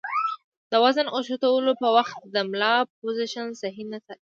د وزن اوچتولو پۀ وخت د ملا پوزيشن سهي نۀ ساتي